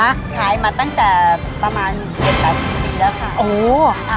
ใช่ไหมคะขายมาตั้งแต่ประมาณ๗๘ปีแล้วค่ะ